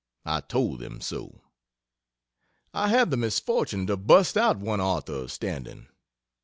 I told them so. I had the misfortune to "bust out" one author of standing.